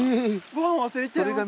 ご飯忘れちゃいました。